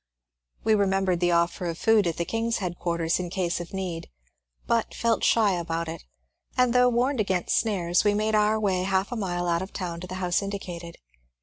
We remembered the offer of food at the King's headquarters in case of need, but felt shy about it, and though warned against snares we made our way half a mile out of town to the house indicated.